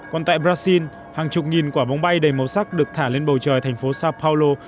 còn tại brazil hàng chục nghìn quả bóng bay đầy màu sắc được thả lên bầu trời thành phố sao paulo